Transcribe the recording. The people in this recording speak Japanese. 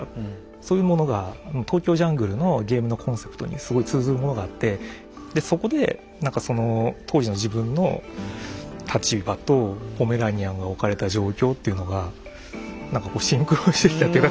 そういうものが「ＴＯＫＹＯＪＵＮＧＬＥ」のゲームのコンセプトにすごい通ずるものがあってでそこで何かその当時の自分の立場とポメラニアンが置かれた状況っていうのが何かシンクロしてきたっていうか作っていく中で。